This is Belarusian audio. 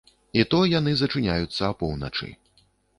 І то, яны зачыняюцца апоўначы.